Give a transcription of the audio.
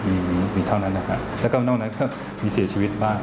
มีมีเท่านั้นนะครับแล้วก็นอกนั้นก็มีเสียชีวิตบ้าง